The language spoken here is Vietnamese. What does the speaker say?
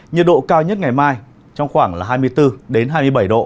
nhiệt độ cao nhất ngày mai trong khoảng là hai mươi bốn hai mươi bảy độ